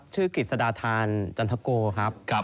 ชื่อกฤษฎาทานจันทะโก